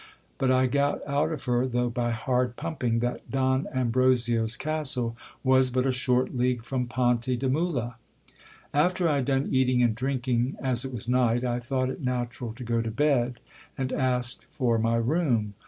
But I got out of her, though by hard pump ing, that Don Ambrosio's castle was but a short league from Ponte de Mula. After I had done eating and drinking, as it was night, I thought it natural to go to bed, and asked for my room.